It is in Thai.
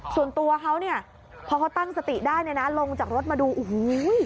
ส่วนตัวเขาพอเขาตั้งสติได้ลงจากรถมาดู